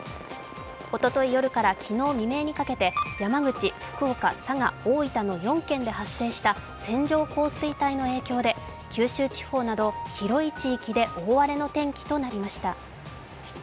おととい夜から昨日未明にかけて山口・福岡・佐賀・大分の４県で発生した線状降水帯の影響で九州地方など広い地域で大荒れの天気となりました。